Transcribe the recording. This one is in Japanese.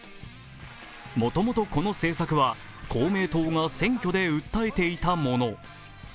もともとこの政策は公明党が選挙で訴えていたもの。